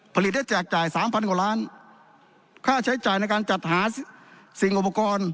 ผลิตและแจกจ่ายสามพันกว่าล้านค่าใช้จ่ายในการจัดหาสิ่งอุปกรณ์